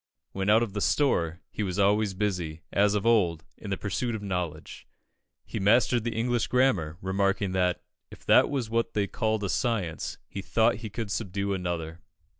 When out of the "store," he was always busy, as of old, in the pursuit of knowledge. He mastered the English grammar, remarking that, "if that was what they called a science, he thought he could subdue another."